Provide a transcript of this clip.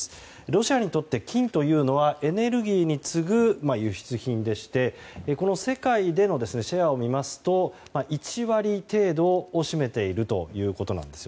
ロシアにとって金というのはエネルギーに次ぐ輸出品でして世界でのシェアを見ますと１割程度を占めているということなんです。